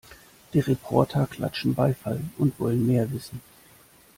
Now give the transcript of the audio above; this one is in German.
Die Reporter klatschen Beifall und wollen mehr wissen.